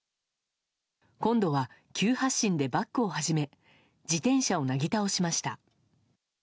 今度は急発進でバックを始め、自転車をなぎ倒しました。